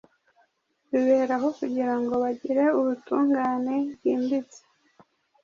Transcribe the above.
biberaho kugira ngo bagire ubutungane bwimbitse